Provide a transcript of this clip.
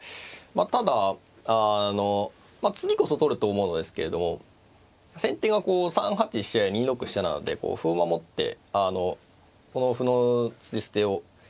ただ次こそ取ると思うのですけれども先手がこう３八飛車や２六飛車などで歩を守ってこの歩の突き捨てを。